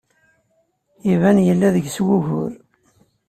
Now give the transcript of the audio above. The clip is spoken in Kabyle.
Iban yella deg-s wugur.